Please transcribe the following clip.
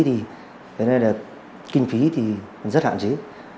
thế nên là kinh phí thì rất hạn chí